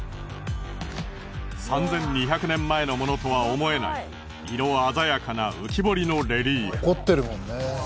３２００年前のものとは思えない色鮮やかな浮き彫りのレリーフ。